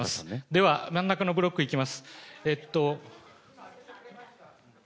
では、真ん中のブロックいきます。